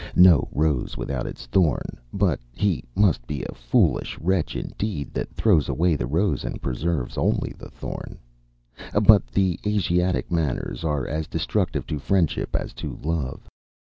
No rose without its thorn; but he must be a foolish wretch indeed, that throws away the rose and preserves only the thorn. But the Asiatic manners are as destructive to friendship as to love.